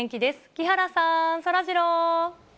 木原さん、そらジロー。